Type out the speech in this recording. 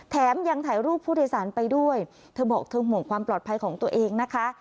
แถมยังถ่ายรูปผู้โดยสารไปด้วยเธอบอกเธอห่วงความปลอดภัยของตัวเองนะคะ